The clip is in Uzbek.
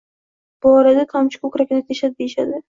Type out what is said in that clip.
- Bu orada tomchi ko'kragini teshadi, deyishadi